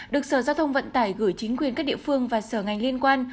được sở giao thông vận tải gửi chính quyền các địa phương và sở ngành liên quan